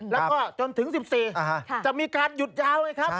แล้วก็จนถึง๑๔จะมีการหยุดยาวไงครับ